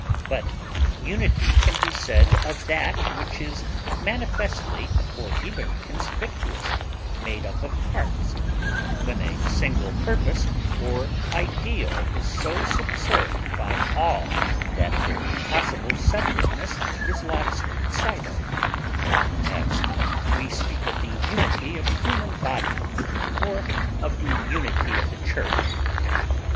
But unity can be said of that which is manifestly or even conspicuously made up of parts, when a single purpose or ideal is so subserved by all that their possible separateness is lost sight of; as, we speak of the unity of the human body, or of the unity of the church.